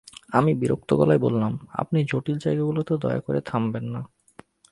আমি বিরক্ত গলায় বললাম, আপনি জটিল জায়গাগুলিতে দয়া করে থামবেন না।